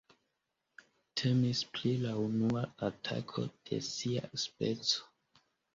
Temis pri la unua atako de sia speco.